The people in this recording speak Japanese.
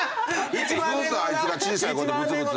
ずっとあいつが小さい声でブツブツ。